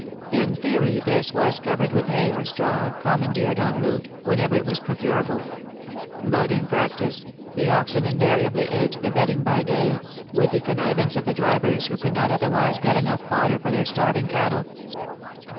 In theory this was covered with hay or straw, commandeered en route, whenever it was pro curable. But m practice, the oxen invariably ate the bedding by day, with the connivance of the drivers, who could not otherwise get enough fodder for their starving cattle.